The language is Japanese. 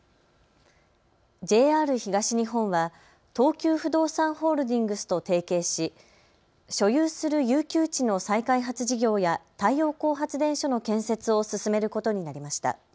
ＪＲ東日本は東急不動産ホールディングスと提携し所有する遊休地の再開発事業や太陽光発電所の建設を進めることになりました。